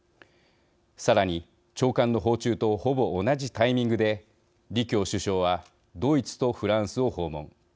さらに長官の訪中とほぼ同じタイミングで李強首相はドイツとフランスを訪問。